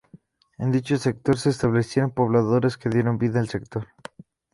En dicho sector, se establecieron pobladores que dieron vida al sector.